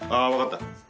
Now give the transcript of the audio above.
分かった。